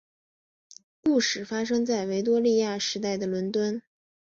故事发生在维多利亚时代的伦敦。